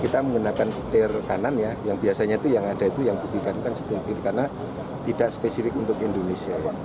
kita menggunakan setir kanan ya yang biasanya itu yang ada itu yang bukitkan setir pil karena tidak spesifik untuk indonesia